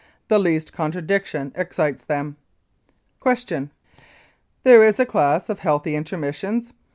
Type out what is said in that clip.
The least contradiction excites them. Q. There is a class of healthy intermissions.